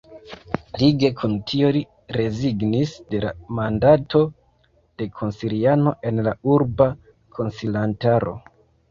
Lige kun tio li rezignis de la mandato de konsiliano en la Urba Konsilantaro.